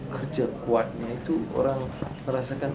kerja kuatnya itu orang merasakan